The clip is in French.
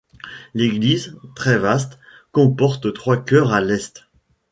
L'église, très vaste, comporte trois chœurs à l'est.